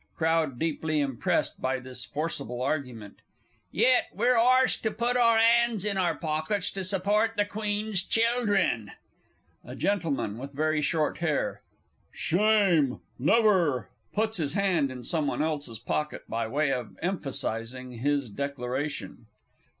(Crowd deeply impressed by this forcible argument.) Yet we're arst to put our 'ands in our pockets to support the Queen's children! A GENTLEMAN WITH VERY SHORT HAIR. Shame never! [_Puts his hand in somebody else's pocket by way of emphasising his declaration.